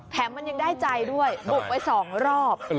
แถมมันยังได้ใจด้วยบุกไป๒รอบ